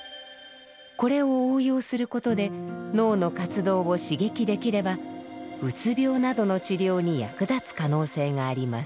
これを応用することで脳の活動を刺激できればうつ病などの治療に役立つ可能性があります。